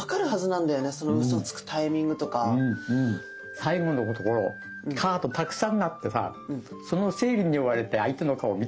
最後のところカードたくさんなってさその整理に追われて相手の顔を見てなかったの。